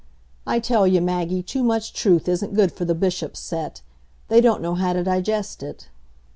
I tell you, Maggie, too much truth isn't good for the Bishop's set; they don't know how to digest it.